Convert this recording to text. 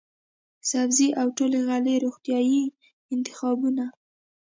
سبزۍ او ټولې غلې روغتیايي انتخابونه،